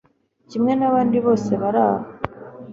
kimwe nabandi bose baraha